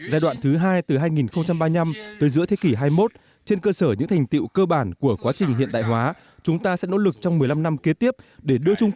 giai đoạn thứ hai từ hai nghìn ba mươi năm tới giữa thế kỷ hai mươi một trên cơ sở những thành tiệu cơ bản của quá trình hiện đại hóa chúng ta sẽ nỗ lực trong một mươi năm năm kế tiếp để đưa trung quốc trở thành một đất nước xã hội chủ nghĩa